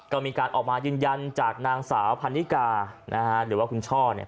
ก็มีการออกมายืนยันจากนางสาวพันนิกานะฮะหรือว่าคุณช่อเนี่ย